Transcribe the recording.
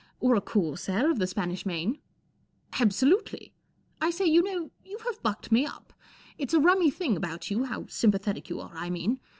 Or a corsair of the Spanish Main." " Absolutely ! I say, you know, you have bucked me up. It's a rummy thing about you—how sympathetic you are, I mean.